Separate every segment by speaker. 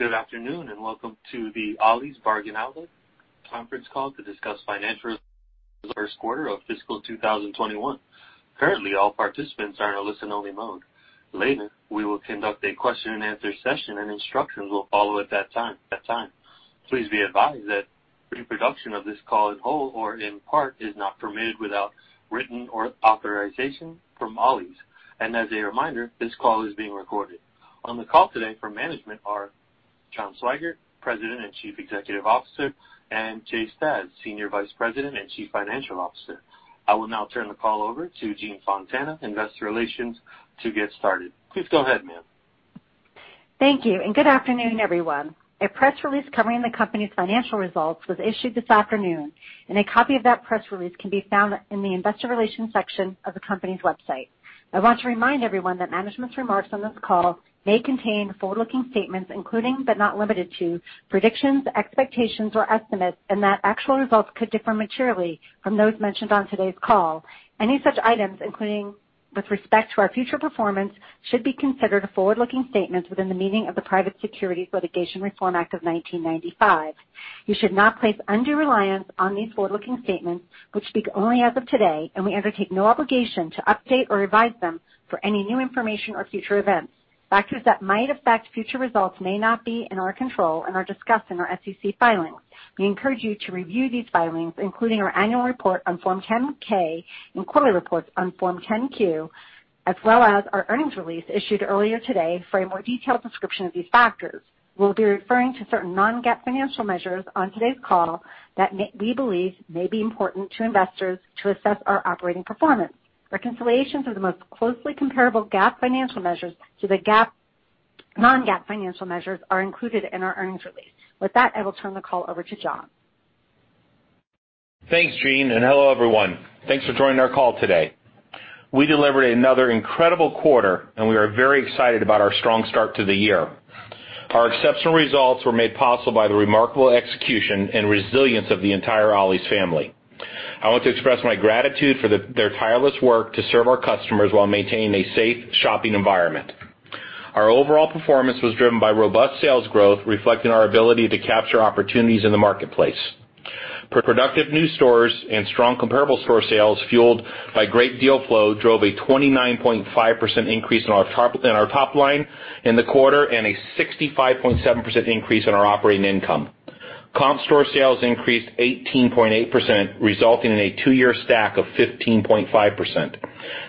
Speaker 1: Good afternoon, welcome to the Ollie's Bargain Outlet conference call to discuss financial first quarter of fiscal 2021. Currently, all participants are in a listen-only mode. Later, we will conduct a question and answer session, and instructions will follow at that time. Please be advised that reproduction of this call in whole or in part is not permitted without written authorization from Ollie's. As a reminder, this call is being recorded. On the call today for management are John Swygert, President and Chief Executive Officer, and Jay Stasz, Senior Vice President and Chief Financial Officer. I will now turn the call over to Jean Fontana, investor relations, to get started. Please go ahead, ma'am.
Speaker 2: Thank you. Good afternoon, everyone. A press release covering the company's financial results was issued this afternoon. A copy of that press release can be found in the investor relations section of the company's website. I want to remind everyone that management's remarks on this call may contain forward-looking statements, including, but not limited to, predictions, expectations or estimates. Actual results could differ materially from those mentioned on today's call. Any such items, including with respect to our future performance, should be considered a forward-looking statement within the meaning of the Private Securities Litigation Reform Act of 1995. You should not place undue reliance on these forward-looking statements, which speak only as of today. We undertake no obligation to update or revise them for any new information or future events. Factors that might affect future results may not be in our control and are discussed in our SEC filings. We encourage you to review these filings, including our annual report on Form 10-K and quarterly reports on Form 10-Q, as well as our earnings release issued earlier today for a more detailed description of these factors. We'll be referring to certain non-GAAP financial measures on today's call that we believe may be important to investors to assess our operating performance. Reconciliations of the most closely comparable GAAP financial measures to the non-GAAP financial measures are included in our earnings release. With that, I will turn the call over to John.
Speaker 3: Thanks, Jean, and hello, everyone. Thanks for joining our call today. We delivered another incredible quarter. We are very excited about our strong start to the year. Our exceptional results were made possible by the remarkable execution and resilience of the entire Ollie's family. I want to express my gratitude for their tireless work to serve our customers while maintaining a safe shopping environment. Our overall performance was driven by robust sales growth, reflecting our ability to capture opportunities in the marketplace. Productive new stores and strong comparable store sales fueled by great deal flow drove a 29.5% increase in our top line in the quarter and a 65.7% increase in our operating income. Comp store sales increased 18.8%, resulting in a two-year stack of 15.5%.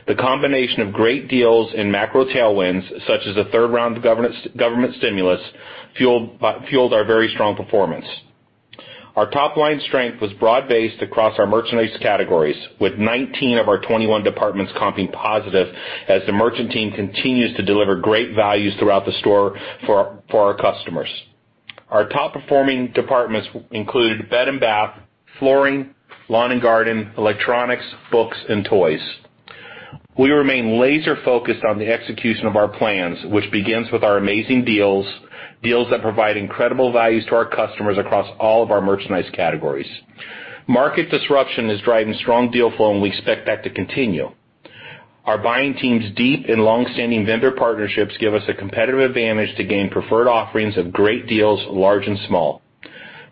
Speaker 3: The combination of great deals and macro tailwinds, such as the third round of government stimulus, fueled our very strong performance. Our top-line strength was broad-based across our merchandise categories, with 19 of our 21 departments comping positive as the merchant team continues to deliver great values throughout the store for our customers. Our top performing departments included bed and bath, flooring, lawn and garden, electronics, books, and toys. We remain laser focused on the execution of our plans, which begins with our amazing deals that provide incredible values to our customers across all of our merchandise categories. Market disruption is driving strong deal flow, and we expect that to continue. Our buying team's deep and longstanding vendor partnerships give us a competitive advantage to gain preferred offerings of great deals, large and small.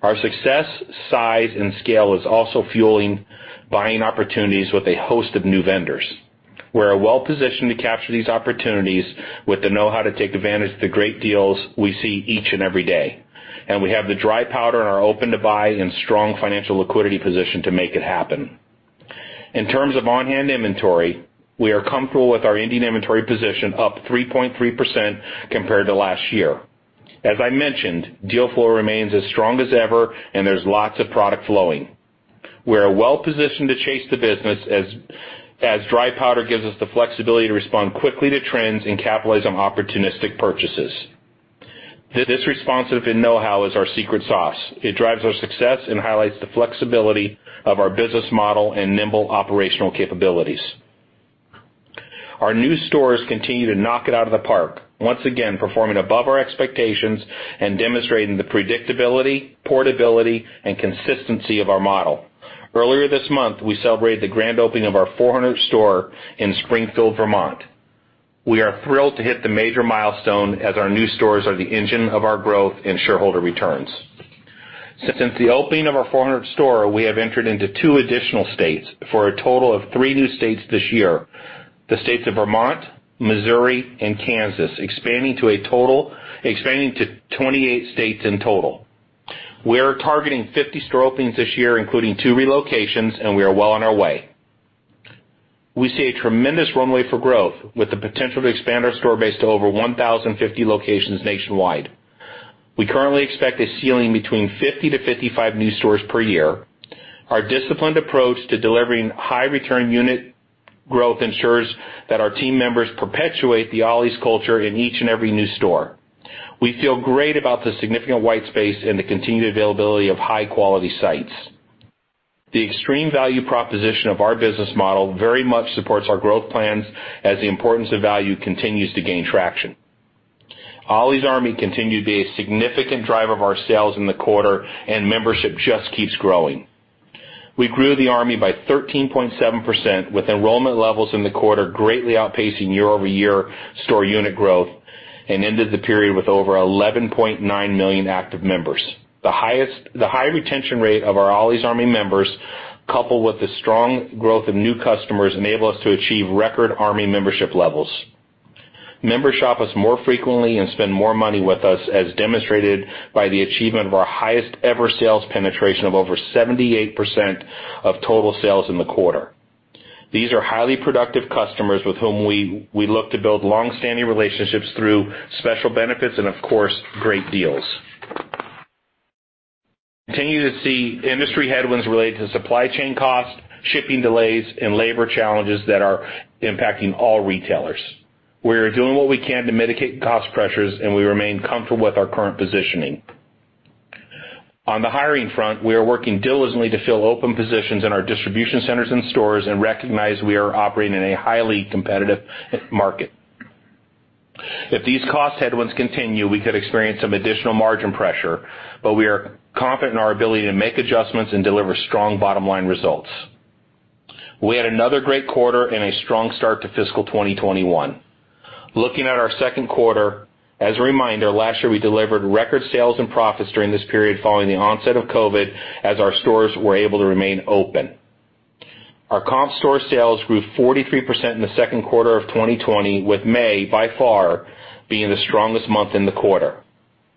Speaker 3: Our success, size, and scale is also fueling buying opportunities with a host of new vendors. We are well-positioned to capture these opportunities with the know-how to take advantage of the great deals we see each and every day, and we have the dry powder and our open-to-buy and strong financial liquidity position to make it happen. In terms of on-hand inventory, we are comfortable with our ending inventory position up 3.3% compared to last year. As I mentioned, deal flow remains as strong as ever and there's lots of product flowing. We are well-positioned to chase the business as dry powder gives us the flexibility to respond quickly to trends and capitalize on opportunistic purchases. This responsiveness and know-how is our secret sauce. It drives our success and highlights the flexibility of our business model and nimble operational capabilities. Our new stores continue to knock it out of the park, once again performing above our expectations and demonstrating the predictability, portability, and consistency of our model. Earlier this month, we celebrated the grand opening of our 400th store in Springfield, Vermont. We are thrilled to hit the major milestone as our new stores are the engine of our growth and shareholder returns. Since the opening of our 400th store, we have entered into two additional states for a total of three new states this year, the states of Vermont, Missouri, and Kansas, expanding to 28 states in total. We are targeting 50 store openings this year, including two relocations, and we are well on our way. We see a tremendous runway for growth with the potential to expand our store base to over 1,050 locations nationwide. We currently expect a ceiling between 50-55 new stores per year. Our disciplined approach to delivering high return unit growth ensures that our team members perpetuate the Ollie's culture in each and every new store. We feel great about the significant white space and the continued availability of high-quality sites. The extreme value proposition of our business model very much supports our growth plans as the importance of value continues to gain traction. Ollie's Army continued to be a significant driver of our sales in the quarter, and membership just keeps growing. We grew the Army by 13.7%, with enrollment levels in the quarter greatly outpacing year-over-year store unit growth and ended the period with over 11.9 million active members. The high retention rate of our Ollie's Army members, coupled with the strong growth of new customers, enable us to achieve record Army membership levels. Members shop us more frequently and spend more money with us, as demonstrated by the achievement of our highest-ever sales penetration of over 78% of total sales in the quarter. These are highly productive customers with whom we look to build longstanding relationships through special benefits and, of course, great deals. Continue to see industry headwinds related to supply chain costs, shipping delays, and labor challenges that are impacting all retailers. We are doing what we can to mitigate cost pressures, and we remain comfortable with our current positioning. On the hiring front, we are working diligently to fill open positions in our distribution centers and stores and recognize we are operating in a highly competitive market. If these cost headwinds continue, we could experience some additional margin pressure, but we are confident in our ability to make adjustments and deliver strong bottom-line results. We had another great quarter and a strong start to fiscal 2021. Looking at our second quarter, as a reminder, last year we delivered record sales and profits during this period following the onset of COVID, as our stores were able to remain open. Our comp store sales grew 43% in the second quarter of 2020, with May by far being the strongest month in the quarter.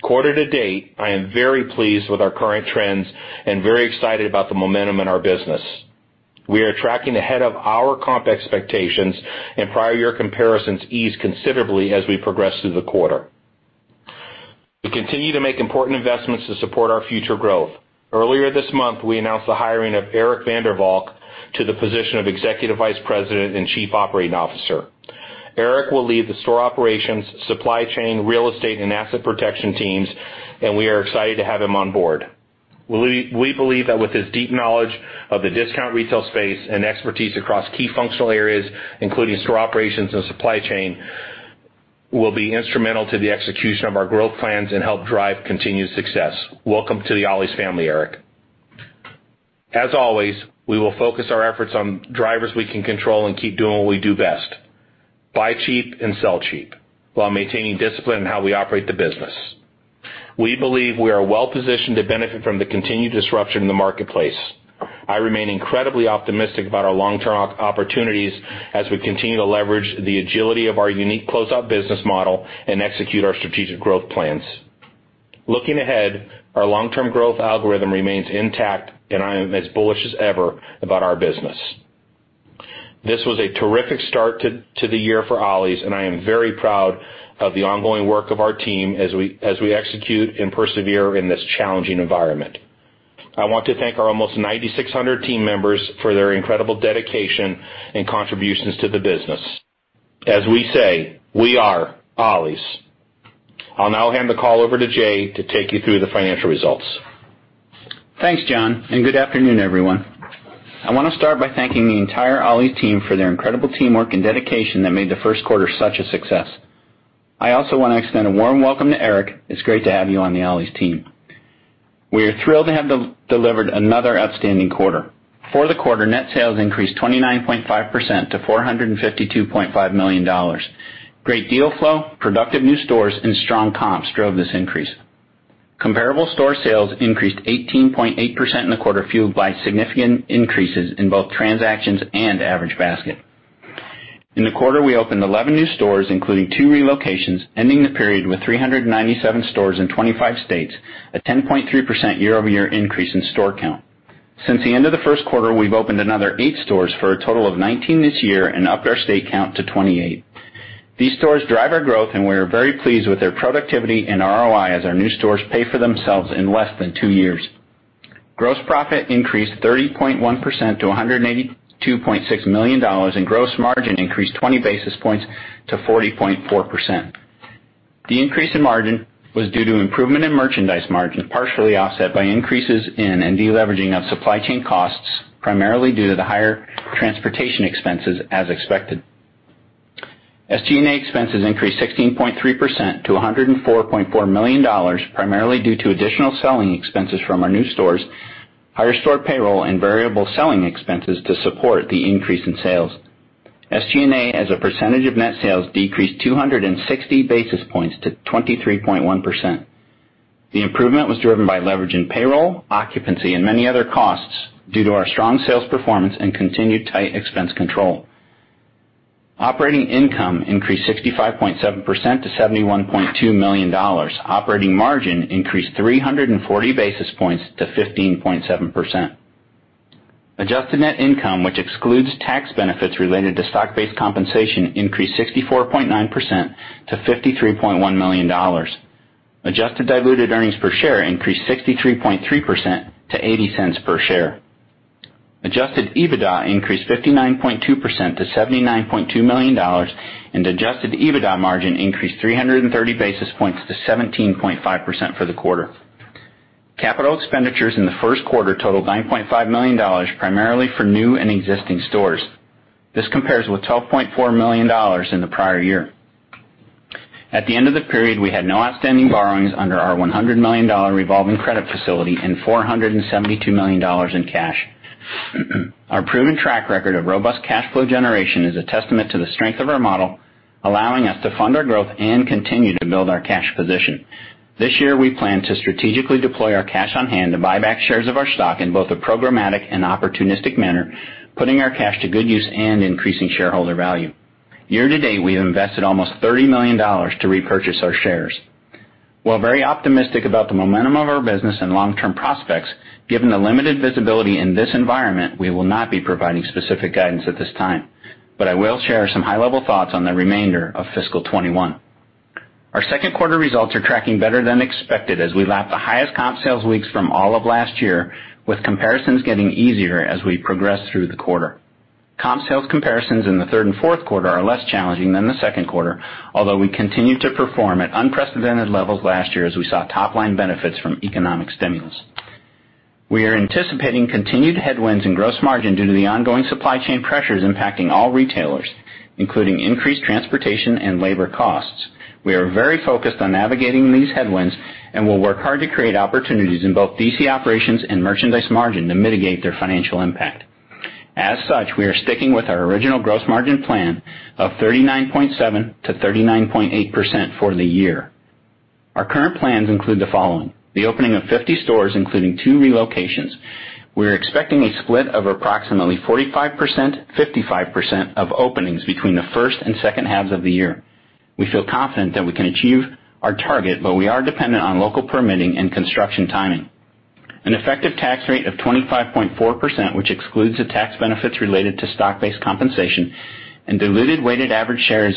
Speaker 3: Quarter to date, I am very pleased with our current trends and very excited about the momentum in our business. We are tracking ahead of our comp expectations and prior year comparisons ease considerably as we progress through the quarter. We continue to make important investments to support our future growth. Earlier this month, we announced the hiring of Eric van der Valk to the position of Executive Vice President and Chief Operating Officer. Eric will lead the store operations, supply chain, real estate, and asset protection teams, and we are excited to have him on board. We believe that with his deep knowledge of the discount retail space and expertise across key functional areas, including store operations and supply chain, will be instrumental to the execution of our growth plans and help drive continued success. Welcome to the Ollie's family, Eric. As always, we will focus our efforts on drivers we can control and keep doing what we do best, buy cheap and sell cheap, while maintaining discipline in how we operate the business. We believe we are well-positioned to benefit from the continued disruption in the marketplace. I remain incredibly optimistic about our long-term opportunities as we continue to leverage the agility of our unique close-out business model and execute our strategic growth plans. Looking ahead, our long-term growth algorithm remains intact, and I am as bullish as ever about our business. This was a terrific start to the year for Ollie's, and I am very proud of the ongoing work of our team as we execute and persevere in this challenging environment. I want to thank our almost 9,600 team members for their incredible dedication and contributions to the business. As we say, we are Ollie's. I'll now hand the call over to Jay to take you through the financial results.
Speaker 4: Thanks, John, and good afternoon, everyone. I want to start by thanking the entire Ollie's team for their incredible teamwork and dedication that made the first quarter such a success. I also want to extend a warm welcome to Eric. It's great to have you on the Ollie's team. We are thrilled to have delivered another outstanding quarter. For the quarter, net sales increased 29.5% to $452.5 million. Great deal flow, productive new stores, and strong comps drove this increase. Comparable store sales increased 18.8% in the quarter, fueled by significant increases in both transactions and average basket. In the quarter, we opened 11 new stores, including two relocations, ending the period with 397 stores in 25 states, a 10.3% year-over-year increase in store count. Since the end of the first quarter, we've opened another eight stores for a total of 19 this year and upped our state count to 28. These stores drive our growth, and we are very pleased with their productivity and ROI as our new stores pay for themselves in less than two years. Gross profit increased 30.1% to $182.6 million, and gross margin increased 20 basis points to 40.4%. The increase in margin was due to improvement in merchandise margin, partially offset by increases in and deleveraging of supply chain costs, primarily due to the higher transportation expenses as expected. SG&A expenses increased 16.3% to $104.4 million, primarily due to additional selling expenses from our new stores, higher store payroll, and variable selling expenses to support the increase in sales. SG&A as a percentage of net sales decreased 260 basis points to 23.1%. The improvement was driven by leverage in payroll, occupancy, and many other costs due to our strong sales performance and continued tight expense control. Operating income increased 65.7% to $71.2 million. Operating margin increased 340 basis points to 15.7%. Adjusted net income, which excludes tax benefits related to stock-based compensation, increased 64.9% to $53.1 million. Adjusted diluted earnings per share increased 63.3% to $0.80 per share. Adjusted EBITDA increased 59.2% to $79.2 million, and adjusted EBITDA margin increased 330 basis points to 17.5% for the quarter. Capital expenditures in the first quarter totaled $9.5 million, primarily for new and existing stores. This compares with $12.4 million in the prior year. At the end of the period, we had no outstanding borrowings under our $100 million revolving credit facility and $472 million in cash. Our proven track record of robust cash flow generation is a testament to the strength of our model, allowing us to fund our growth and continue to build our cash position. This year, we plan to strategically deploy our cash on hand to buy back shares of our stock in both a programmatic and opportunistic manner, putting our cash to good use and increasing shareholder value. Year to date, we've invested almost $30 million to repurchase our shares. While very optimistic about the momentum of our business and long-term prospects, given the limited visibility in this environment, we will not be providing specific guidance at this time. I will share some high-level thoughts on the remainder of fiscal 2021. Our second quarter results are tracking better than expected as we lap the highest comp sales weeks from all of last year, with comparisons getting easier as we progress through the quarter. Comp sales comparisons in the third and fourth quarter are less challenging than the second quarter, although we continued to perform at unprecedented levels last year as we saw top-line benefits from economic stimulus. We are anticipating continued headwinds in gross margin due to the ongoing supply chain pressures impacting all retailers, including increased transportation and labor costs. We are very focused on navigating these headwinds and will work hard to create opportunities in both DC operations and merchandise margin to mitigate their financial impact. As such, we are sticking with our original gross margin plan of 39.7%-39.8% for the year. Our current plans include the following, the opening of 50 stores, including two relocations. We're expecting a split of approximately 45%-55% of openings between the first and second halves of the year. We feel confident that we can achieve our target, we are dependent on local permitting and construction timing. An effective tax rate of 25.4%, which excludes the tax benefits related to stock-based compensation and diluted weighted average shares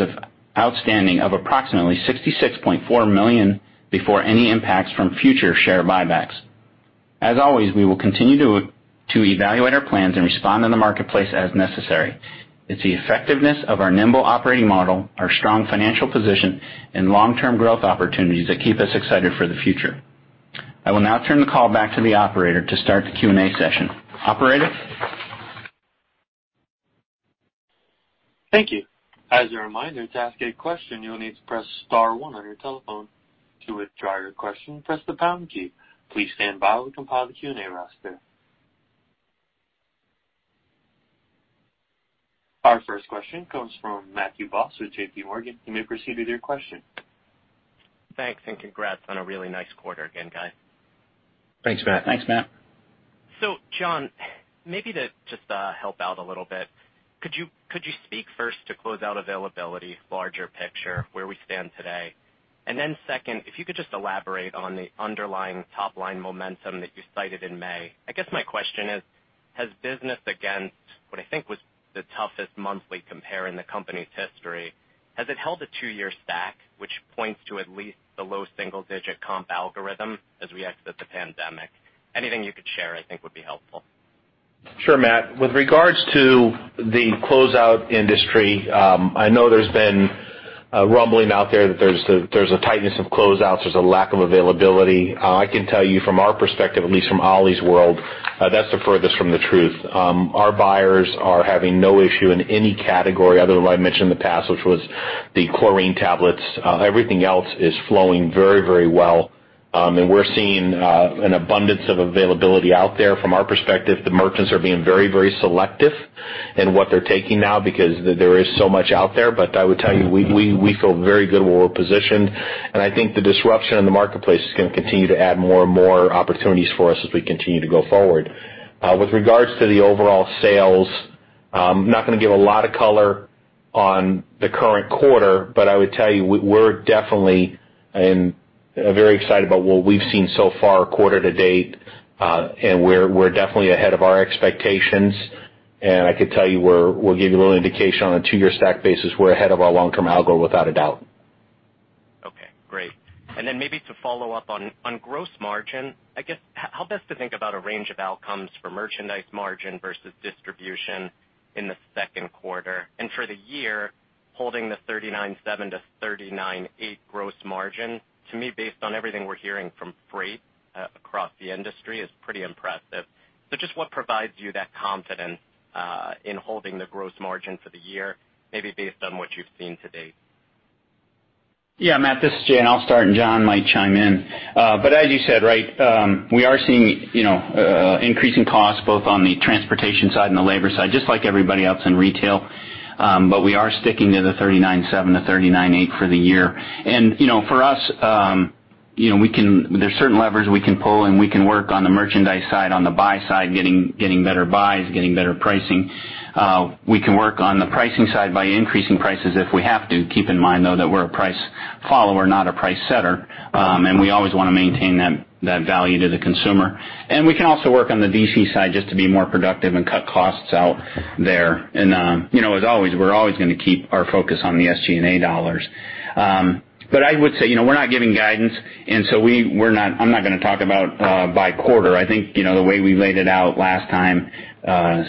Speaker 4: outstanding of approximately 66.4 million before any impacts from future share buybacks. As always, we will continue to evaluate our plans and respond to the marketplace as necessary. It's the effectiveness of our nimble operating model, our strong financial position, and long-term growth opportunities that keep us excited for the future. I will now turn the call back to the operator to start the Q&A session. Operator?
Speaker 1: Thank you. As a reminder, to ask a question, you'll need to press star one on your telephone. To withdraw your question, press the pound key. Please stand by. We'll compile the Q&A roster. Our first question comes from Matthew Boss with JPMorgan. You may proceed with your question.
Speaker 5: Thanks, congrats on a really nice quarter again, guys.
Speaker 3: Thanks, Matt.
Speaker 5: John, maybe to just help out a little bit, could you speak first to closeout availability, larger picture, where we stand today? Second, if you could just elaborate on the underlying top-line momentum that you cited in May. I guess my question is, has business against what I think was the toughest monthly compare in the company's history, has it held a two-year stack, which points to at least the low single-digit comp algorithm as we exit the pandemic? Anything you could share, I think, would be helpful.
Speaker 3: Sure, Matt. With regards to the closeout industry, I know there's been a rumbling out there that there's a tightness of closeouts, there's a lack of availability. I can tell you from our perspective, at least from Ollie's world, that's the furthest from the truth. Our buyers are having no issue in any category other than what I mentioned in the past, which was the chlorine tablets. Everything else is flowing very well. We're seeing an abundance of availability out there. From our perspective, the merchants are being very selective in what they're taking now because there is so much out there. I would tell you, we feel very good where we're positioned, and I think the disruption in the marketplace is going to continue to add more and more opportunities for us as we continue to go forward. With regards to the overall sales, I'm not going to give a lot of color on the current quarter, but I would tell you we're definitely very excited about what we've seen so far quarter to date, and we're definitely ahead of our expectations. I can tell you, we'll give you a little indication on a two-year stack basis. We're ahead of our long-term algo without a doubt.
Speaker 5: Okay, great. Maybe to follow up on gross margin, I guess, help us to think about a range of outcomes for merchandise margin versus distribution in the second quarter. For the year, holding the 39.7%-39.8% gross margin, to me, based on everything we're hearing from freight across the industry is pretty impressive. Just what provides you that confidence in holding the gross margin for the year, maybe based on what you've seen to date?
Speaker 4: Matt, this is Jay. I'll start, and John might chime in. As you said, we are seeing increasing costs both on the transportation side and the labor side, just like everybody else in retail. We are sticking to the 39.7%-39.8% for the year. For us, there's certain levers we can pull, and we can work on the merchandise side, on the buy side, getting better buys, getting better pricing. We can work on the pricing side by increasing prices if we have to. Keep in mind, though, that we're a price follower, not a price setter. We always want to maintain that value to the consumer. We can also work on the DC side just to be more productive and cut costs out there. As always, we're always going to keep our focus on the SG&A dollars. I would say, we're not giving guidance, and so I'm not going to talk about by quarter. I think the way we laid it out last time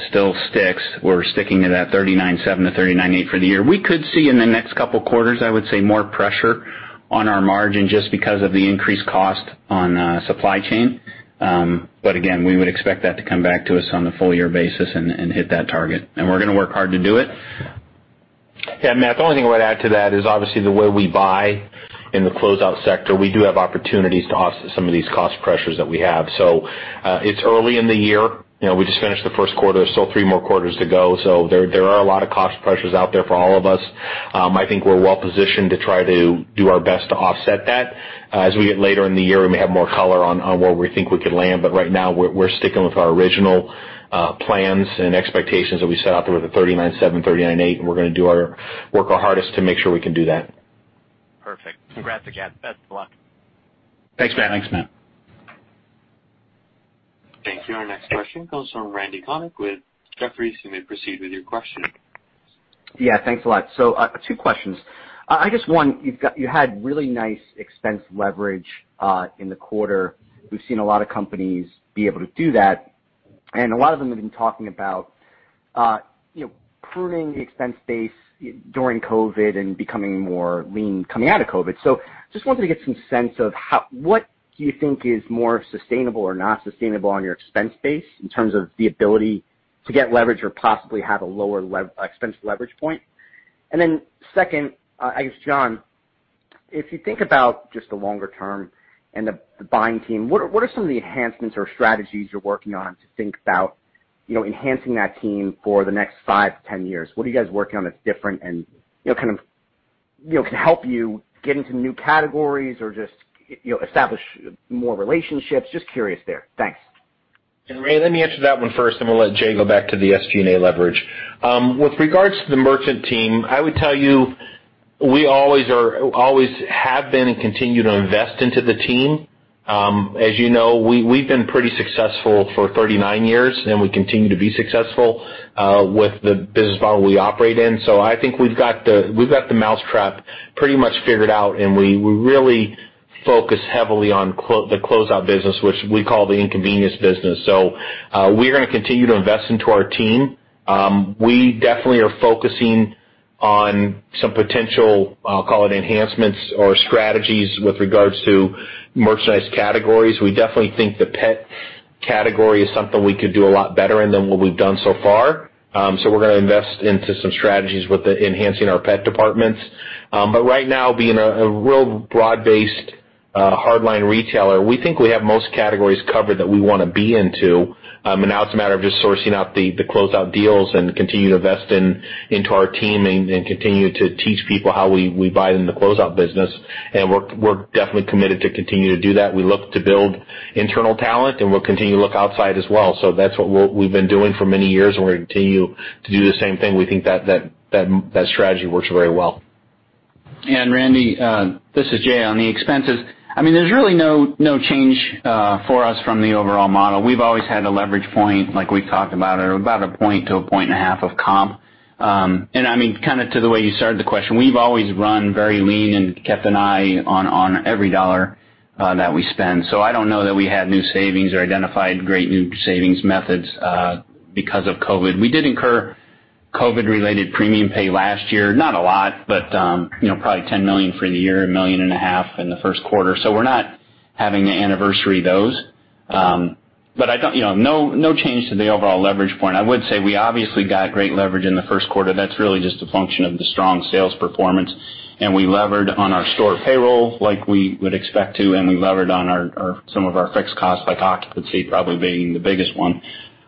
Speaker 4: still sticks. We're sticking to that 39.7%-39.8% for the year. We could see in the next couple of quarters, I would say, more pressure on our margin just because of the increased cost on supply chain. Again, we would expect that to come back to us on a full-year basis and hit that target. We're going to work hard to do it.
Speaker 3: Matt, the only thing I would add to that is obviously the way we buy in the closeout sector, we do have opportunities to offset some of these cost pressures that we have. It's early in the year. We just finished the first quarter. There's still three more quarters to go. There are a lot of cost pressures out there for all of us. I think we're well-positioned to try to do our best to offset that. As we get later in the year, we may have more color on where we think we could land. Right now, we're sticking with our original plans and expectations that we set out there with the 39.7%, 39.8%, and we're going to do our work our hardest to make sure we can do that.
Speaker 5: Perfect. Congrats again. Best of luck.
Speaker 3: Thanks, Matt.
Speaker 4: Thanks, Matt.
Speaker 1: Thank you. Our next question comes from Randal Konik with Jefferies. You may proceed with your question.
Speaker 6: Yeah, thanks a lot. Two questions. I guess one, you had really nice expense leverage in the quarter. We've seen a lot of companies be able to do that, and a lot of them have been talking about pruning the expense base during COVID and becoming more lean coming out of COVID. Just wanted to get some sense of what do you think is more sustainable or not sustainable on your expense base in terms of the ability to get leverage or possibly have a lower expense leverage point? Second, I guess, John, if you think about just the longer term and the buying team, what are some of the enhancements or strategies you're working on to think about enhancing that team for the next five to 10 years? What are you guys working on that's different and can help you get into new categories or just establish more relationships? Just curious there. Thanks.
Speaker 3: Randy, let me answer that one first, and we'll let Jay go back to the SG&A leverage. With regards to the merchant team, I would tell you we always have been and continue to invest into the team. As you know, we've been pretty successful for 39 years, and we continue to be successful with the business model we operate in. I think we've got the mousetrap pretty much figured out, and we really focus heavily on the closeout business, which we call the inconvenience business. We're going to continue to invest into our team. We definitely are focusing on some potential, I'll call it enhancements or strategies with regards to merchandise categories. We definitely think the pet category is something we could do a lot better in than what we've done so far. We're going to invest into some strategies with enhancing our pet departments. Right now, being a real broad-based hardline retailer, we think we have most categories covered that we want to be into. Now it's a matter of just sourcing out the closeout deals and continue to invest into our team and continue to teach people how we buy in the closeout business. We're definitely committed to continue to do that. We look to build internal talent, and we'll continue to look outside as well. That's what we've been doing for many years, and we're going to continue to do the same thing. We think that strategy works very well.
Speaker 4: Randal, this is Jay, on the expenses, there's really no change for us from the overall model. We've always had a leverage point, like we talked about 1 point to 1.5 points of comp. Kind of to the way you started the question, we've always run very lean and kept an eye on every dollar that we spend. I don't know that we had new savings or identified great new savings methods because of COVID. We did incur COVID-related premium pay last year. Not a lot, but probably $10 million for the year, $1.5 million in the first quarter. We're not having to anniversary those. No change to the overall leverage point. I would say we obviously got great leverage in the first quarter. That's really just a function of the strong sales performance. We levered on our store payroll like we would expect to, and we levered on some of our fixed costs, like occupancy probably being the biggest one,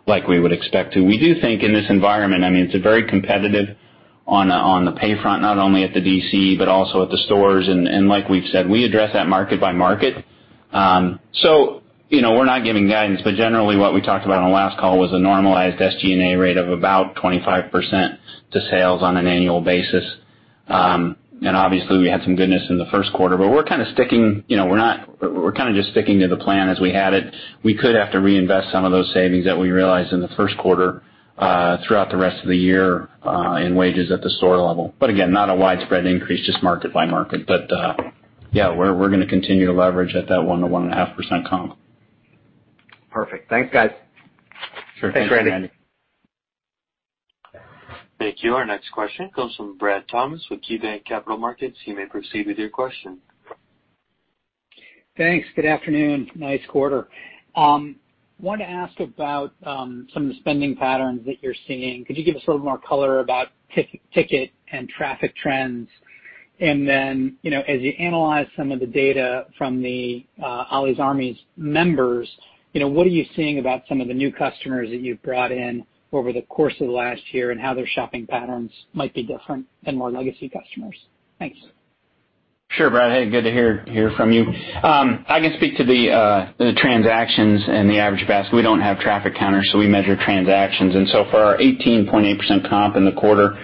Speaker 4: like we would expect to. We do think in this environment, it's very competitive on the pay front, not only at the DC but also at the stores. Like we've said, we address that market by market. We're not giving guidance, but generally what we talked about on the last call was a normalized SG&A rate of about 25% to sales on an annual basis. Obviously, we had some goodness in the first quarter. We're kind of just sticking to the plan as we had it. We could have to reinvest some of those savings that we realized in the first quarter throughout the rest of the year in wages at the store level. Again, not a widespread increase, just market by market. Yeah, we're going to continue to leverage at that 1%-1.5% comp.
Speaker 6: Perfect. Thanks, guys.
Speaker 4: Sure. Thanks, Randy.
Speaker 3: Thanks, Randy.
Speaker 1: Thank you. Our next question comes from Brad Thomas with KeyBank Capital Markets. You may proceed with your question.
Speaker 7: Thanks. Good afternoon. Nice quarter. Wanted to ask about some of the spending patterns that you're seeing. Could you give us a little more color about ticket and traffic trends? As you analyze some of the data from the Ollie's Army members, what are you seeing about some of the new customers that you've brought in over the course of the last year and how their shopping patterns might be different than more legacy customers? Thanks.
Speaker 4: Sure, Brad. Hey, good to hear from you. I can speak to the transactions and the average basket. We don't have traffic counters, so we measure transactions. So far, our 18.8% comp in the quarter,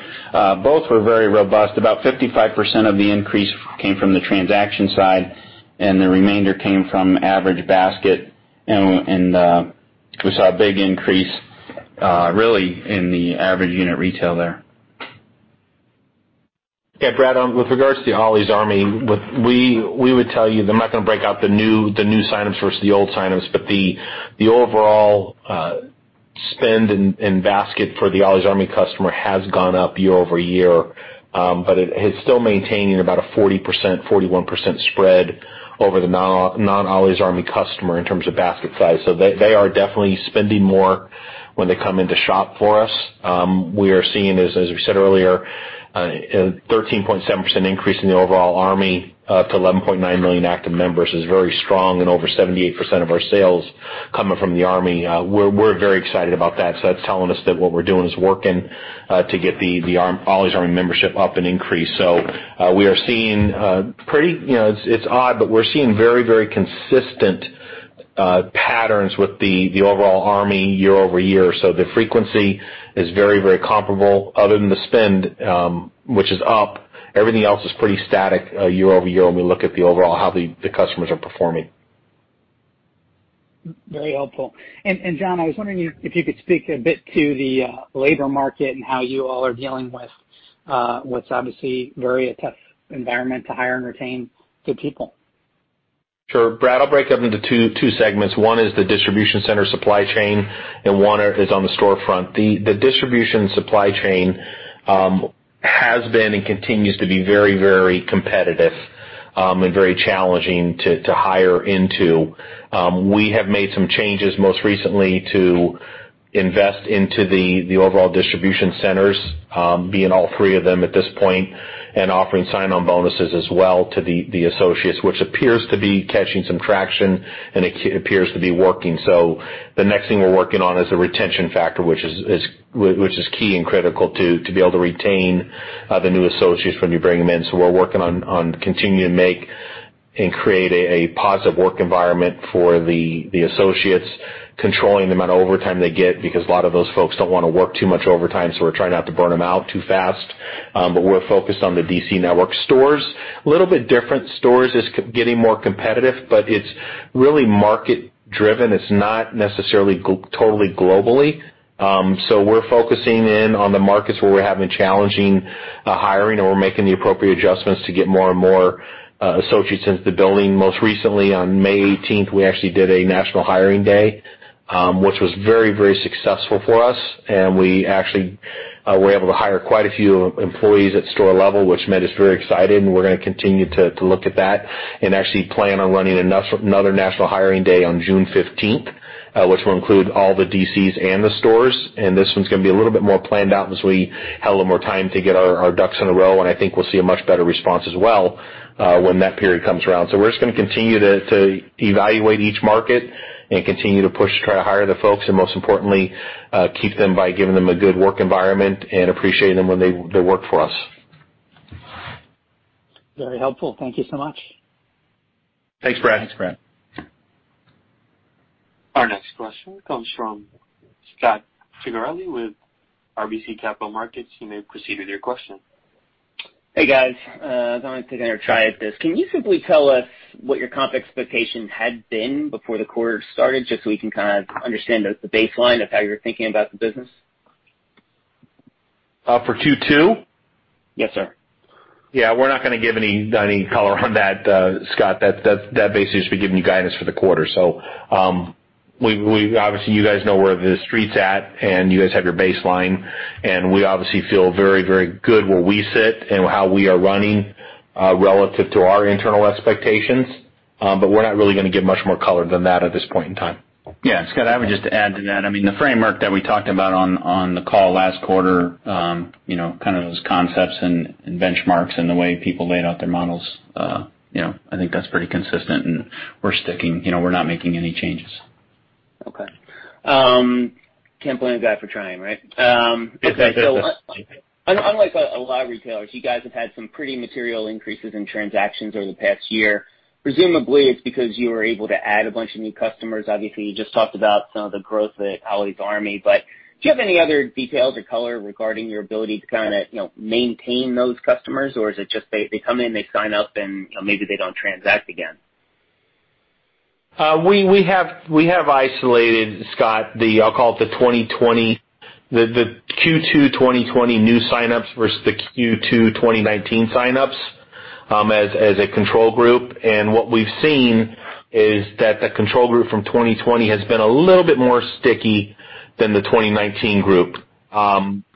Speaker 4: both were very robust. About 55% of the increase came from the transaction side, and the remainder came from average basket. We saw a big increase really in the average unit retail there.
Speaker 3: Yeah, Brad, with regards to the Ollie's Army, we would tell you, I'm not going to break out the new signups versus the old signups, but the overall spend and basket for the Ollie's Army customer has gone up year-over-year. It is still maintaining about a 40%, 41% spread over the non-Ollie's Army customer in terms of basket size. They are definitely spending more when they come in to shop for us. We are seeing, as we said earlier. A 13.7% increase in the overall Army to 11.9 million active members is very strong and over 78% of our sales coming from the Army. We're very excited about that. That's telling us that what we're doing is working to get the Ollie's Army membership up and increased. We are seeing pretty. It's odd, but we're seeing very consistent patterns with the overall Army year-over-year. The frequency is very comparable other than the spend which is up. Everything else is pretty static year-over-year when we look at the overall, how the customers are performing.
Speaker 7: Very helpful. John, I was wondering if you could speak a bit to the labor market and how you all are dealing with what's obviously a very tough environment to hire and retain good people?
Speaker 3: Sure, Brad, I'll break up into two segments. One is the distribution center supply chain, and one is on the storefront. The distribution supply chain has been and continues to be very competitive, and very challenging to hire into. We have made some changes most recently to invest into the overall distribution centers, being all three of them at this point, and offering sign-on bonuses as well to the associates, which appears to be catching some traction and it appears to be working. The next thing we're working on is the retention factor, which is key and critical to be able to retain the new associates when you bring them in. We're working on continuing to make and create a positive work environment for the associates, controlling the amount of overtime they get, because a lot of those folks don't want to work too much overtime, so we're trying not to burn them out too fast. We're focused on the DC network. Stores, a little bit different. Stores is getting more competitive, but it's really market-driven. It's not necessarily totally globally. We're focusing in on the markets where we're having challenging hiring, and we're making the appropriate adjustments to get more and more associates into the building. Most recently, on May 18th, we actually did a national hiring day, which was very successful for us. We actually were able to hire quite a few employees at store level, which made us very excited, and we're going to continue to look at that, and actually plan on running another national hiring day on June 15th, which will include all the DCs and the stores, and this one's going to be a little bit more planned out as we have a little more time to get our ducks in a row, and I think we'll see a much better response as well when that period comes around. We're just going to continue to evaluate each market and continue to push to try to hire the folks and most importantly, keep them by giving them a good work environment and appreciate them when they work for us.
Speaker 7: Very helpful. Thank you so much.
Speaker 3: Thanks, Brad.
Speaker 1: Our next question comes from Scot Ciccarelli with RBC Capital Markets. You may proceed with your question.
Speaker 8: Hey, guys. I'm going to take a try at this. Can you simply tell us what your comp expectation had been before the quarter started, just so we can kind of understand the baseline of how you're thinking about the business?
Speaker 3: For Q2?
Speaker 8: Yes, sir.
Speaker 3: We're not going to give any color on that, Scot. That basically should give you guidance for the quarter. Obviously you guys know where the Street's at, and you guys have your baseline, and we obviously feel very good where we sit and how we are running, relative to our internal expectations. We're not really going to give much more color than that at this point in time.
Speaker 4: Scot, I would just add to that, I mean, the framework that we talked about on the call last quarter, kind of those concepts and benchmarks and the way people laid out their models, I think that's pretty consistent and we're sticking. We're not making any changes.
Speaker 8: Okay. Can't blame a guy for trying, right?
Speaker 3: Exactly.
Speaker 8: Unlike a lot of retailers, you guys have had some pretty material increases in transactions over the past year. Presumably, it's because you were able to add a bunch of new customers. Obviously, you just talked about some of the growth at Ollie's Army, do you have any other details or color regarding your ability to kind of maintain those customers? Is it just they come in, they sign up, and maybe they don't transact again?
Speaker 3: We have isolated, Scot, I'll call it the Q2 2020 new signups versus the Q2 2019 signups, as a control group. What we've seen is that the control group from 2020 has been a little bit stickier than the 2019 group,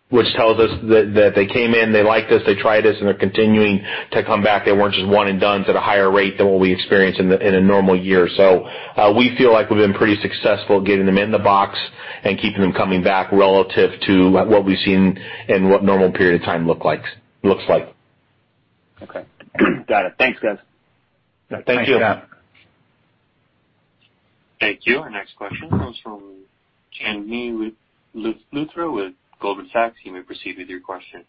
Speaker 3: which tells us that they came in, they liked us, they tried us, and they're continuing to come back. They weren't just one and done to the higher rate than what we experienced in a normal year. We feel like we've been pretty successful getting them in the box and keeping them coming back relative to what we've seen and what a normal period of time looks like.
Speaker 8: Okay. Got it. Thanks, guys.
Speaker 3: Thank you.
Speaker 1: Thank you. Our next question comes from Chandni Luthra with Goldman Sachs. You may proceed with your question.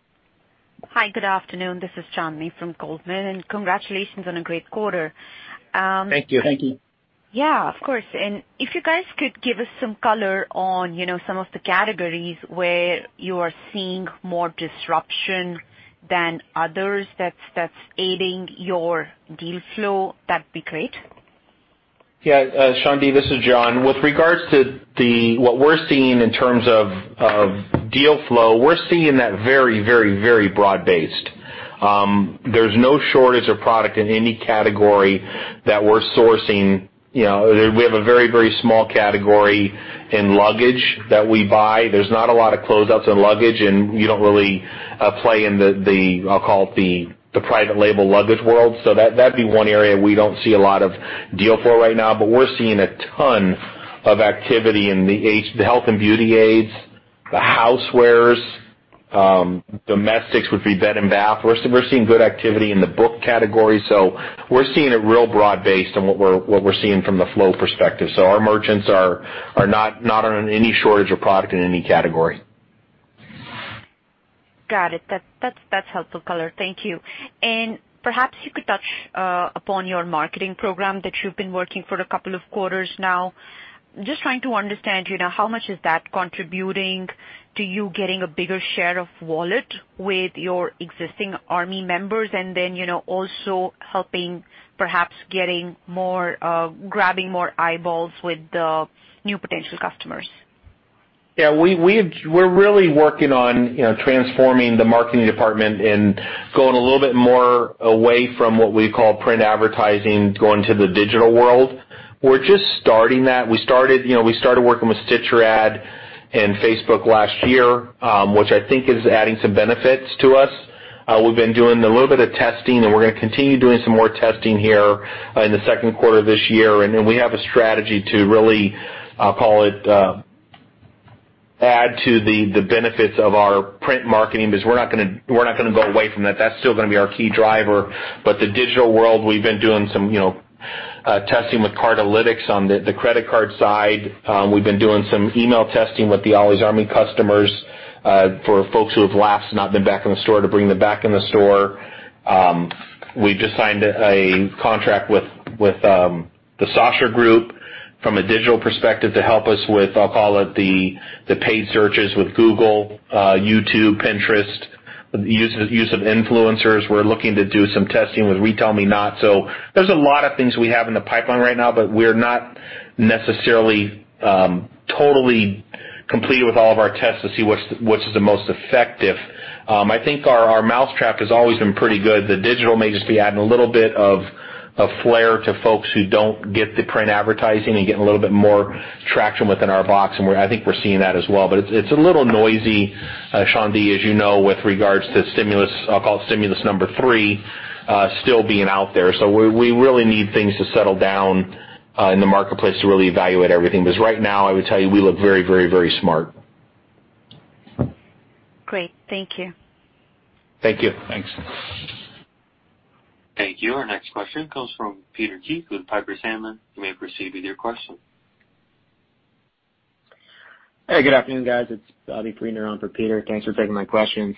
Speaker 9: Hi, good afternoon. This is Chandni from Goldman. Congratulations on a great quarter.
Speaker 4: Thank you. Thank you.
Speaker 9: Of course. If you guys could give us some color on some of the categories where you are seeing more disruption than others that's aiding your deal flow, that'd be great?
Speaker 3: Chandni, this is John. With regards to what we're seeing in terms of deal flow, we're seeing that very broad-based. There's no shortage of product in any category that we're sourcing. We have a very small category in luggage that we buy. There's not a lot of closeouts in luggage, and we don't really play in the, I'll call it the private label luggage world. That'd be one area we don't see a lot of deal flow right now, but we're seeing a ton of activity in the health and beauty aids, the housewares, domestics would be bed and bath. We're seeing good activity in the book category. We're seeing it real broad-based on what we're seeing from the flow perspective. Our merchants are not on any shortage of product in any category.
Speaker 9: Got it. That's helpful color. Thank you. Perhaps you could touch upon your marketing program that you've been working for a couple of quarters now. Just trying to understand, how much is that contributing to you getting a bigger share of wallet with your existing Army members, also helping perhaps grabbing more eyeballs with the new potential customers?
Speaker 3: Yeah. We're really working on transforming the marketing department and going a little bit more away from what we call print advertising, going to the digital world. We're just starting that. We started working with StitcherAds and Facebook last year, which I think is adding some benefits to us. We've been doing a little bit of testing, we're going to continue doing some more testing here in the second quarter of this year. We have a strategy to really, I'll call it, add to the benefits of our print marketing, because we're not going to go away from that. That's still going to be our key driver. The digital world, we've been doing some testing with Cardlytics on the credit card side. We've been doing some email testing with the Ollie's Army customers, for folks who have last not been back in the store to bring them back in the store. We just signed a contract with The Sasha Group from a digital perspective to help us with, I'll call it, the paid searches with Google, YouTube, Pinterest, use of influencers. We're looking to do some testing with RetailMeNot. There's a lot of things we have in the pipeline right now, but we're not necessarily totally complete with all of our tests to see what's the most effective. I think our mousetrap has always been pretty good. The digital may just be adding a little bit of a flair to folks who don't get the print advertising and getting a little bit more traction within our box, and I think we're seeing that as well. It's a little noisy, Chandni, as you know, with regards to stimulus, I'll call it stimulus number three, still being out there. We really need things to settle down in the marketplace to really evaluate everything, because right now I would tell you we look very smart.
Speaker 9: Great. Thank you.
Speaker 3: Thank you.
Speaker 4: Thanks.
Speaker 1: Thank you. Our next question comes from Peter Keith with Piper Sandler. You may proceed with your question.
Speaker 10: Hey, good afternoon, guys. It's Bobby Green on for Peter. Thanks for taking my questions.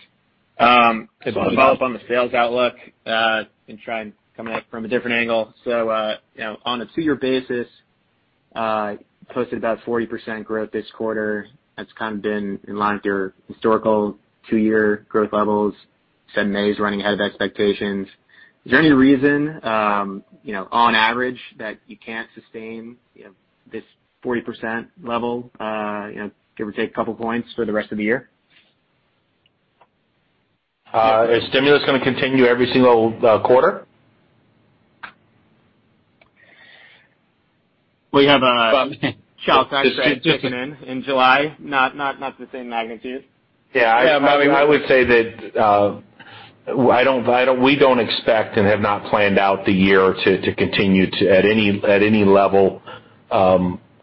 Speaker 3: Hey, Bobby.
Speaker 10: Just want to follow up on the sales outlook, and try and come at it from a different angle. On a two-year basis, posted about 40% growth this quarter. That's kind of been in line with your historical two-year growth levels. You said May is running ahead of expectations. Is there any reason, on average, that you can't sustain this 40% level give or take a couple points for the rest of the year?
Speaker 3: Is stimulus going to continue every single quarter?
Speaker 4: We have a Child Tax Credit kicking in July, not to the same magnitude. Bobby, go ahead.
Speaker 3: I would say that we don't expect and have not planned out the year to continue to, at any level,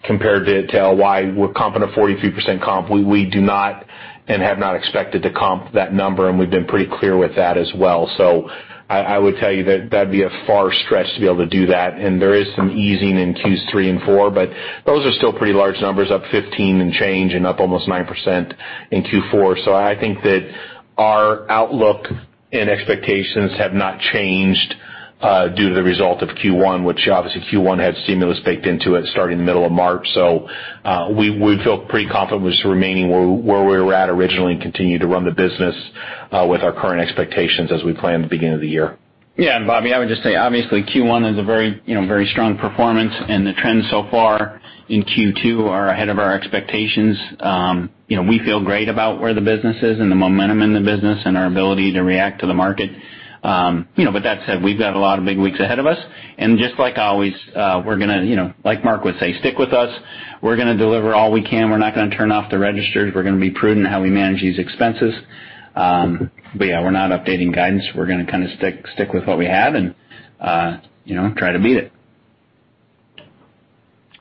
Speaker 3: compared to, tell why we're comping a 43% comp. We do not and have not expected to comp that number, and we've been pretty clear with that as well. I would tell you that that'd be a far stretch to be able to do that, and there is some easing in Q3 and Q4, but those are still pretty large numbers, up 15% and change and up almost 9% in Q4. I think that our outlook and expectations have not changed due to the result of Q1, which obviously Q1 had stimulus baked into it starting the middle of March. We feel pretty confident with just remaining where we were at originally and continue to run the business with our current expectations as we planned at the beginning of the year.
Speaker 4: Bobby, I would just say, obviously, Q1 is a very strong performance, the trends so far in Q2 are ahead of our expectations. We feel great about where the business is and the momentum in the business and our ability to react to the market. That said, we've got a lot of big weeks ahead of us. Just like always, we're going to, like Mark Butler would say, stick with us. We're going to deliver all we can. We're not going to turn off the registers. We're going to be prudent in how we manage these expenses. Yeah, we're not updating guidance. We're going to stick with what we have and try to beat it.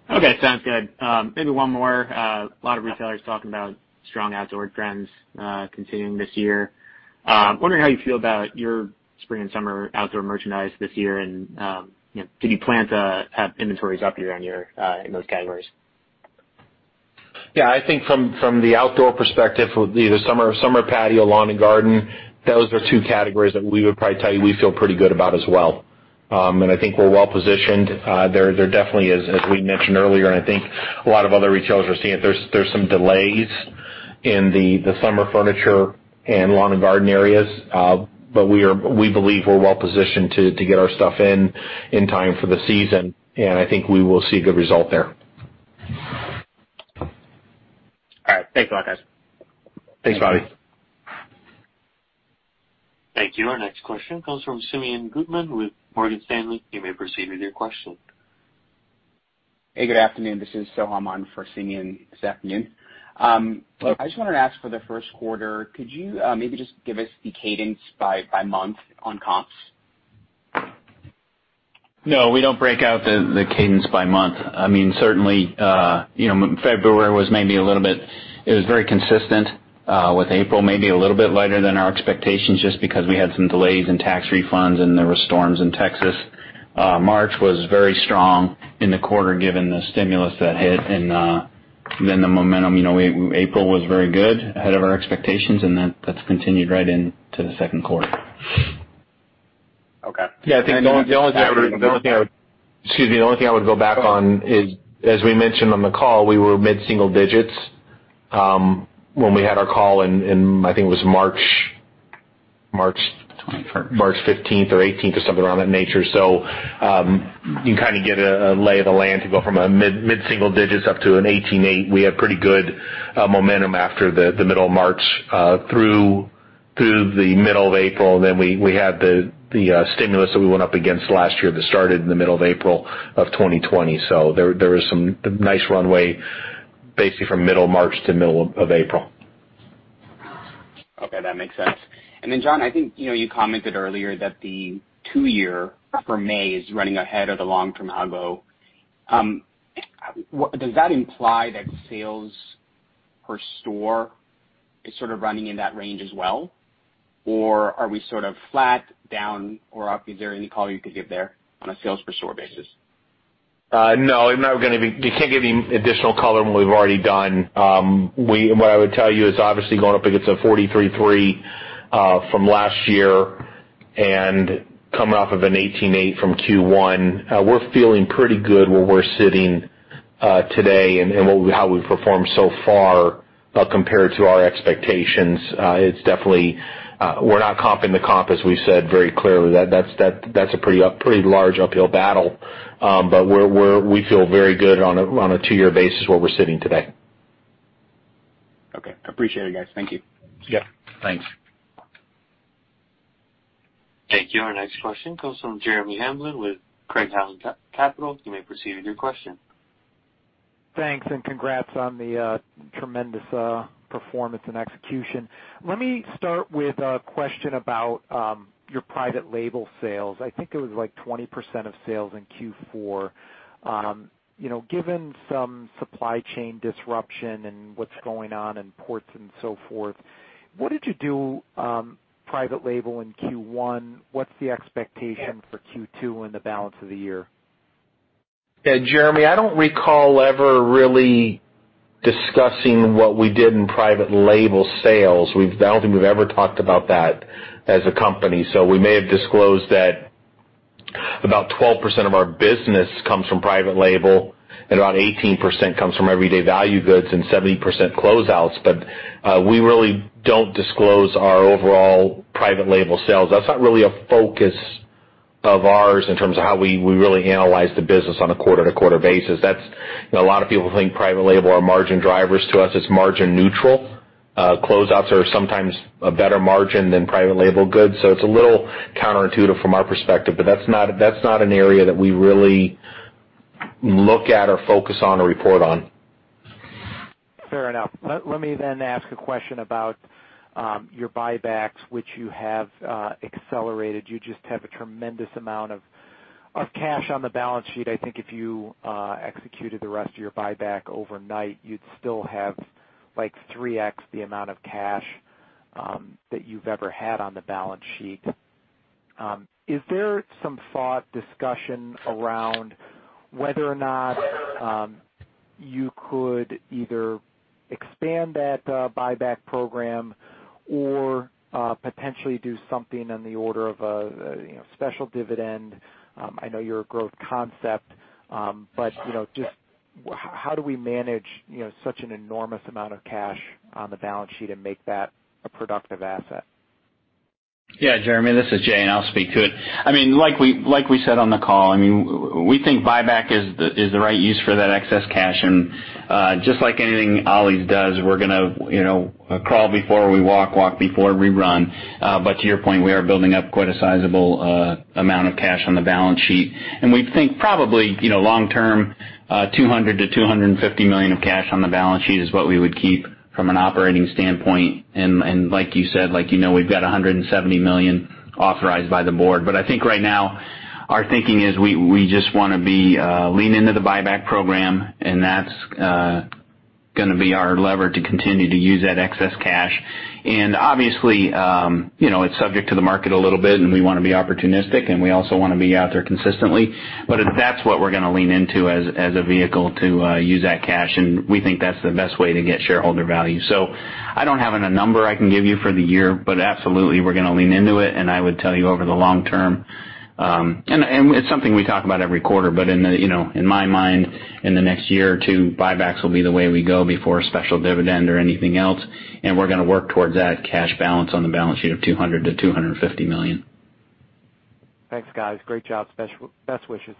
Speaker 10: Okay, sounds good. Maybe one more. A lot of retailers talking about strong outdoor trends continuing this year. I'm wondering how you feel about your spring and summer outdoor merchandise this year and did you plan to have inventories up year-on-year in those categories?
Speaker 3: I think from the outdoor perspective, either summer patio, lawn and garden, those are two categories that we would probably tell you we feel pretty good about as well. I think we're well-positioned. There definitely is, as we mentioned earlier, and I think a lot of other retailers are seeing it, there's some delays in the summer furniture and lawn and garden areas. We believe we're well positioned to get our stuff in in time for the season, and I think we will see a good result there.
Speaker 10: All right. Thanks a lot, guys.
Speaker 3: Thanks, Bobby.
Speaker 1: Thank you. Our next question comes from Simeon Gutman with Morgan Stanley. You may proceed with your question.
Speaker 11: Hey, good afternoon. This is Soham on for Simeon this afternoon.
Speaker 3: Hello.
Speaker 11: I just wanted to ask for the first quarter, could you maybe just give us the cadence by month on comps?
Speaker 4: We don't break out the cadence by month. It was very consistent with April, maybe a little bit lighter than our expectations, just because we had some delays in tax refunds, and there were storms in Texas. March was very strong in the quarter, given the stimulus that hit and then the momentum. April was very good, ahead of our expectations, and then that's continued right into the second quarter.
Speaker 3: Yeah. Excuse me. The only thing I would go back on is, as we mentioned on the call, we were mid-single digits when we had our call in, I think it was March 15th or 18th or something around that nature. You kind of get a lay of the land to go from a mid-single digits up to an 18.8. We had pretty good momentum after the middle of March through to the middle of April. We had the stimulus that we went up against last year that started in the middle of April of 2020. There was some nice runway, basically from middle March to middle of April.
Speaker 11: Okay, that makes sense. John, I think you commented earlier that the two-year for May is running ahead of the long-term algo. Does that imply that sales per store is sort of running in that range as well? Are we sort of flat, down or up? Is there any color you could give there on a sales per store basis?
Speaker 3: We can't give you additional color on what we've already done. What I would tell you is obviously going up against a 43/3 from last year and coming off of an 18/8 from Q1. We're feeling pretty good where we're sitting today and how we've performed so far compared to our expectations. We're not comping the comp, as we said very clearly. That's a pretty large uphill battle. We feel very good on a two-year basis where we're sitting today.
Speaker 11: Okay. Appreciate it, guys. Thank you.
Speaker 3: Yeah. Thanks.
Speaker 1: Thank you. Our next question comes from Jeremy Hamblin with Craig-Hallum Capital. You may proceed with your question.
Speaker 12: Thanks, congrats on the tremendous performance and execution. Let me start with a question about your private label sales. I think it was like 20% of sales in Q4. Given some supply chain disruption and what's going on in ports and so forth, what did you do private label in Q1? What's the expectation for Q2 and the balance of the year?
Speaker 3: Jeremy, I don't recall ever really discussing what we did in private label sales. I don't think we've ever talked about that as a company. We may have disclosed that about 12% of our business comes from private label and about 18% comes from everyday value goods and 70% closeouts. We really don't disclose our overall private label sales. That's not really a focus of ours in terms of how we really analyze the business on a quarter-to-quarter basis. A lot of people think private label are margin drivers. To us, it's margin neutral. Closeouts are sometimes a better margin than private label goods. It's a little counterintuitive from our perspective, but that's not an area that we really look at or focus on or report on.
Speaker 12: Fair enough. Let me ask a question about your buybacks, which you have accelerated. You just have a tremendous amount of cash on the balance sheet. I think if you executed the rest of your buyback overnight, you'd still have 3x the amount of cash that you've ever had on the balance sheet. Is there some thought, discussion around whether or not you could either expand that buyback program or potentially do something on the order of a special dividend? I know you're a growth concept. Just how do we manage such an enormous amount of cash on the balance sheet and make that a productive asset?
Speaker 4: Jeremy, this is Jay. I'll speak to it. Like we said on the call, we think buyback is the right use for that excess cash. Just like anything Ollie's does, we're going to crawl before we walk before we run. To your point, we are building up quite a sizable amount of cash on the balance sheet. We think probably, long term, $200 million-$250 million of cash on the balance sheet is what we would keep from an operating standpoint. Like you said, we've got $170 million authorized by the board. I think right now our thinking is we just want to lean into the buyback program, and that's going to be our lever to continue to use that excess cash. Obviously, it's subject to the market a little bit, and we want to be opportunistic, and we also want to be out there consistently. That's what we're going to lean into as a vehicle to use that cash, and we think that's the best way to get shareholder value. I don't have a number I can give you for the year, but absolutely, we're going to lean into it. I would tell you over the long term. It's something we talk about every quarter. In my mind, in the next year or two, buybacks will be the way we go before a special dividend or anything else. We're going to work towards that cash balance on the balance sheet of $200 million-$250 million.
Speaker 12: Thanks, guys. Great job. Best wishes.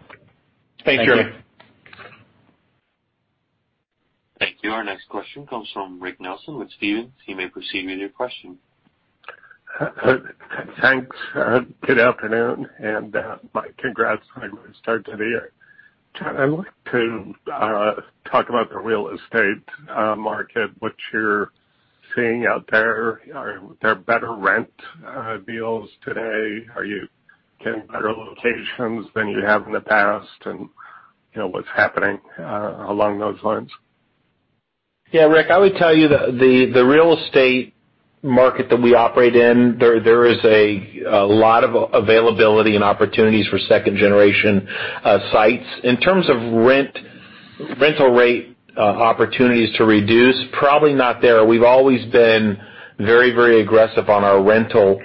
Speaker 3: Thank you.
Speaker 4: Thank you.
Speaker 1: Thank you. Our next question comes from Rick Nelson with Stephens. You may proceed with your question.
Speaker 13: Thanks. Good afternoon. My congrats on a good start to the year. I'd like to talk about the real estate market, what you're seeing out there. Are there better rent deals today? Are you getting better locations than you have in the past? What's happening along those lines?
Speaker 3: Yeah, Rick, I would tell you that the real estate market that we operate in, there is a lot of availability and opportunities for 2nd-generation sites. In terms of rental rate opportunities to reduce, probably not there. We've always been very aggressive on our rental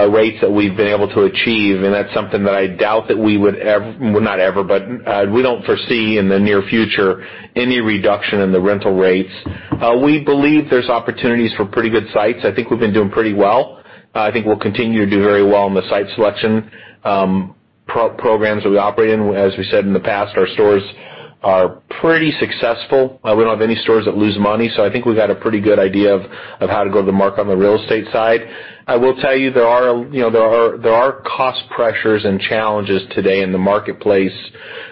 Speaker 3: rates that we've been able to achieve, and that's something that I doubt that we would ever. Well, not ever, but we don't foresee in the near future any reduction in the rental rates. We believe there's opportunities for pretty good sites. I think we've been doing pretty well. I think we'll continue to do very well on the site selection programs that we operate in. As we said in the past, our stores are pretty successful. We don't have any stores that lose money, so I think we've got a pretty good idea of how to go to market on the real estate side. I will tell you there are cost pressures and challenges today in the marketplace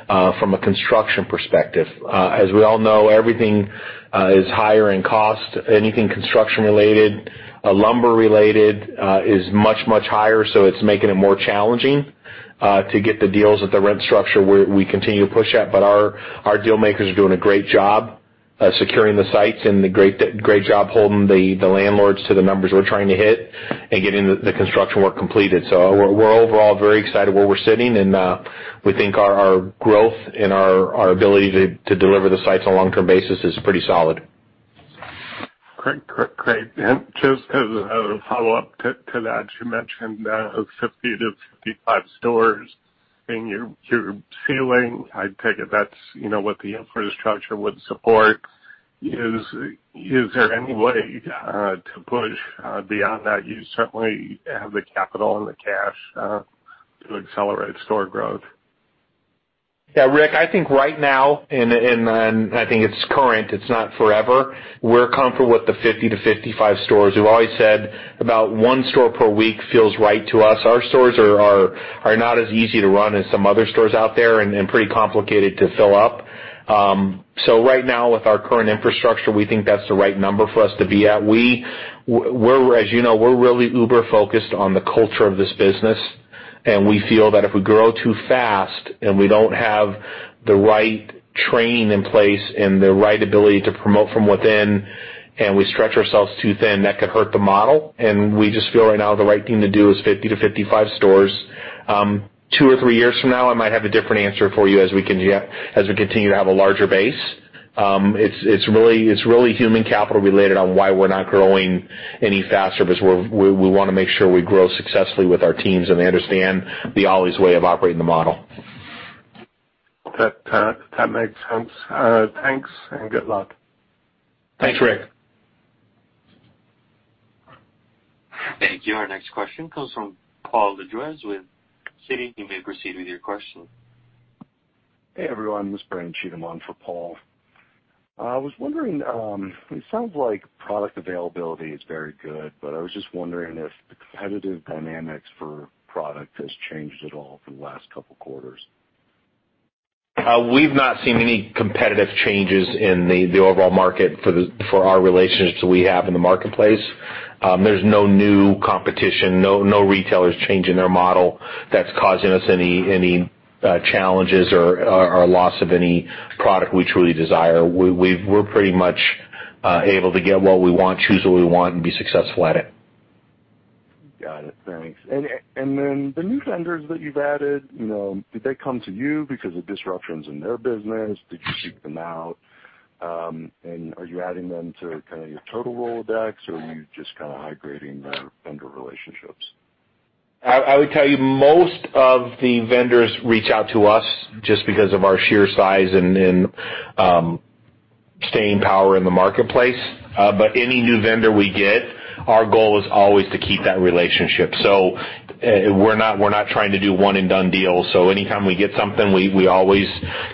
Speaker 3: from a construction perspective. As we all know, everything is higher in cost. Anything construction-related, lumber-related is much, much higher, so it's making it more challenging to get the deals at the rent structure we continue to push at. Our dealmakers are doing a great job of securing the sites and a great job holding the landlords to the numbers we're trying to hit and getting the construction work completed. We're overall very excited where we're sitting, and we think our growth and our ability to deliver the sites on a long-term basis is pretty solid.
Speaker 13: Great. Just as a follow-up to that, you mentioned 50/55 stores in your ceiling. I take it that's what the infrastructure would support. Is there any way to push beyond that? You certainly have the capital and the cash to accelerate store growth.
Speaker 3: Rick, I think right now, and I think it's current, it's not forever, we're comfortable with the 50 to 55 stores. We've always said about one store per week feels right to us. Our stores are not as easy to run as some other stores out there and pretty complicated to fill up. Right now with our current infrastructure, we think that's the right number for us to be at. As you know, we're really uber-focused on the culture of this business, and we feel that if we grow too fast and we don't have the right training in place and the right ability to promote from within, and we stretch ourselves too thin, that could hurt the model. We just feel right now the right thing to do is 50 to 55 stores. Two or three years from now, I might have a different answer for you as we continue to have a larger base. It's really human capital related on why we're not growing any faster because we want to make sure we grow successfully with our teams and they understand the Ollie's way of operating the model.
Speaker 13: That makes sense. Thanks and good luck.
Speaker 3: Thanks, Rick.
Speaker 1: Thank you. Our next question comes from Paul Lejuez with Citi. You may proceed with your question.
Speaker 14: Hey, everyone. This is Brad Cheatham on for Paul. It sounds like product availability is very good, but I was just wondering if the competitive dynamics for product has changed at all over the last couple of quarters.
Speaker 3: We've not seen any competitive changes in the overall market for our relationships that we have in the marketplace. There's no new competition, no retailers changing their model that's causing us any challenges or loss of any product we truly desire. We're pretty much able to get what we want, choose what we want, and be successful at it.
Speaker 14: Got it. Thanks. The new vendors that you've added, did they come to you because of disruptions in their business? Did you seek them out? Are you adding them to kind of your total Rolodex, or are you just kind of upgrading their vendor relationships?
Speaker 3: I would tell you, most of the vendors reach out to us just because of our sheer size and staying power in the marketplace. Any new vendor we get, our goal is always to keep that relationship. We're not trying to do one and done deals. Anytime we get something, we always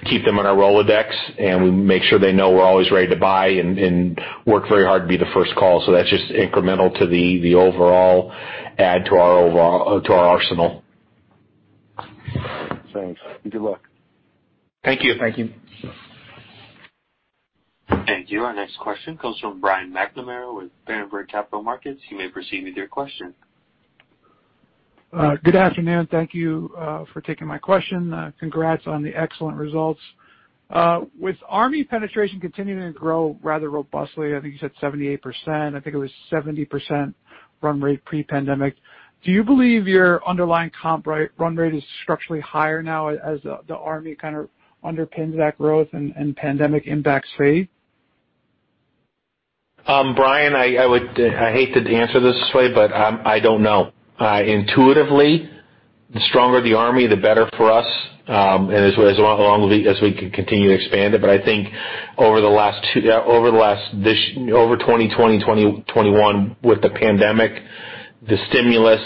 Speaker 3: keep them in our Rolodex, and we make sure they know we're always ready to buy and work very hard to be the first call. That's just incremental to the overall add to our arsenal.
Speaker 14: All right. Thanks, and good luck.
Speaker 3: Thank you.
Speaker 14: Thank you.
Speaker 1: Thank you. Our next question comes from Brian McNamara with Berenberg Capital Markets. You may proceed with your question.
Speaker 15: Good afternoon. Thank you for taking my question. Congrats on the excellent results. With Army penetration continuing to grow rather robustly, I think you said 78%, I think it was 70% run rate pre-pandemic. Do you believe your underlying comp run rate is structurally higher now as the Army kind of underpins that growth and pandemic impacts fade?
Speaker 3: Brian, I hate to answer this way. I don't know. Intuitively, the stronger the Ollie's Army, the better for us, and as long as we can continue to expand it. I think over 2020, 2021 with the pandemic, the stimulus,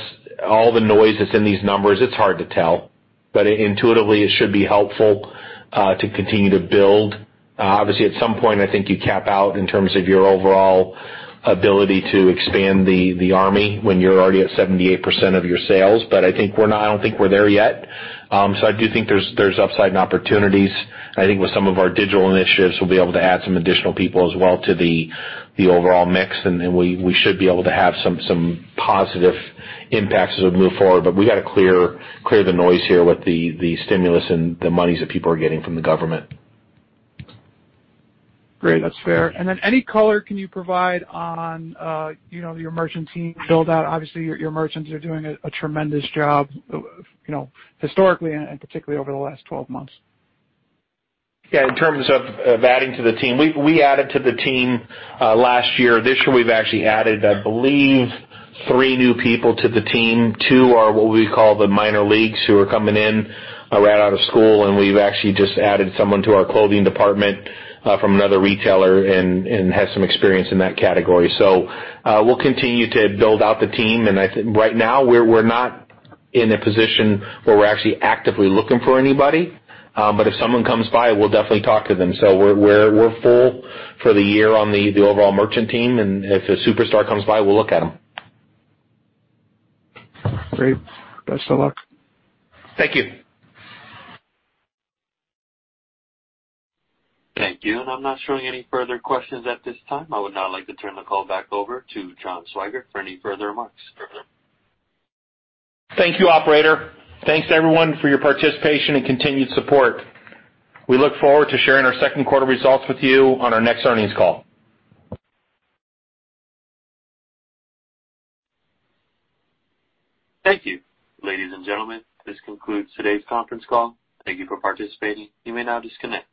Speaker 3: all the noise that's in these numbers, it's hard to tell. Intuitively, it should be helpful to continue to build. Obviously, at some point, I think you cap out in terms of your overall ability to expand the Ollie's Army when you're already at 78% of your sales. I don't think we're there yet. I do think there's upside and opportunities. I think with some of our digital initiatives, we'll be able to add some additional people as well to the overall mix, and we should be able to have some positive impacts as we move forward. We got to clear the noise here with the stimulus and the monies that people are getting from the government.
Speaker 15: Great. That's fair. Any color can you provide on your merchant team build-out? Obviously, your merchants are doing a tremendous job historically and particularly over the last 12 months.
Speaker 3: In terms of adding to the team, we added to the team last year. This year, we've actually added, I believe, three new people to the team. Two are what we call the minor leagues, who are coming in right out of school, and we've actually just added someone to our clothing department from another retailer and has some experience in that category. We'll continue to build out the team, and right now, we're not in a position where we're actually actively looking for anybody. If someone comes by, we'll definitely talk to them. We're full for the year on the overall merchant team, and if a superstar comes by, we'll look at them.
Speaker 15: Great. Best of luck.
Speaker 3: Thank you.
Speaker 1: Thank you. I'm not showing any further questions at this time. I would now like to turn the call back over to John Swygert for any further remarks.
Speaker 3: Thank you, operator. Thanks, everyone, for your participation and continued support. We look forward to sharing our second-quarter results with you on our next earnings call.
Speaker 1: Thank you. Ladies and gentlemen, this concludes today's conference call. Thank you for participating. You may now disconnect.